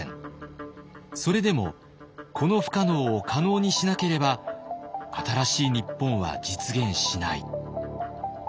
それでもこの不可能を可能にしなければ新しい日本は実現しない。